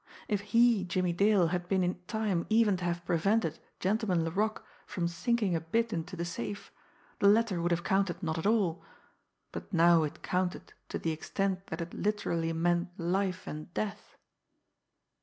If he, Jimmie Dale, had been in time even to have prevented Gentleman Laroque from sinking a bit into the safe, the letter would have counted not at all but now it counted to the extent that it literally meant life and death.